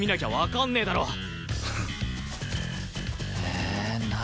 え何？